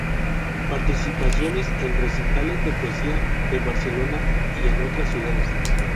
Participaciones en recitales de poesía en Barcelona, y en otras ciudades.